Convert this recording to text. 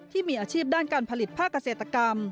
ที่มีอาชีพด้านการผลิตภาคเกษตรกรรม